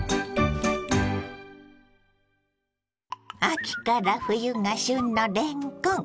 秋から冬が旬のれんこん。